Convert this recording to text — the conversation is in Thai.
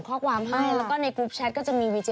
ข้อความให้ก็จะมีวิเจจา